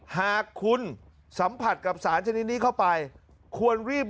หากคุณสัมผัสกับสารชนิดนี้เข้าไปควรรีบ